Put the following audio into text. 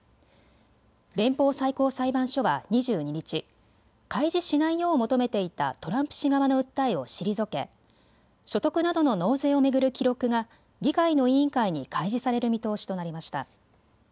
連邦最高裁判所は２２日、開示しないよう求めていたトランプ氏側の訴えを退け所得などの納税を巡る記録が議会の委員会に開示される見通しとなりました。